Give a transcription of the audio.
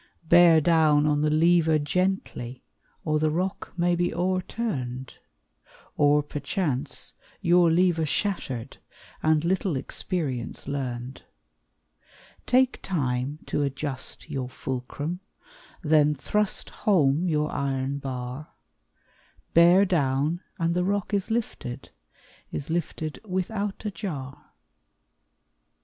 Bear down on the lever gently, Or the rock may be o'erturned! Or, perchance, your lever shattered, And little experience learned! Take time to adjust your fulcrum, Then thrust home your iron bar; Bear down and the rock is lifted, Is lifted without a jar.